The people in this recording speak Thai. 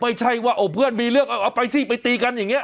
ไม่ใช่ว่าเพื่อนมีเรื่องเอาไปสิไปตีกันอย่างนี้